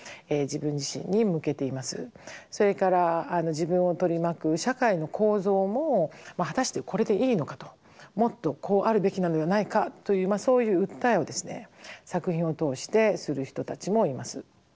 それから自分を取り巻く社会の構造も果たしてこれでいいのかともっとこうあるべきなのではないかというそういう訴えをですね作品を通してする人たちもいます。